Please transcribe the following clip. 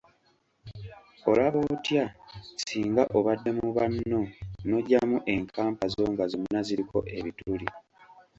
Olaba otya singa obadde mu banno n'oggyamu enkampa zo nga zonna ziriko ebituli.